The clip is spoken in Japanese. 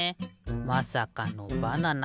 まさかのバナナ。